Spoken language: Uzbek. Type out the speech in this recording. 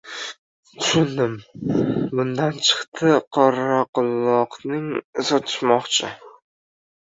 Tushundim. Bundan chiqdi Qoraquloqni sotishmoqchi.